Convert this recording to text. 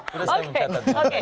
sudah saya mencatatnya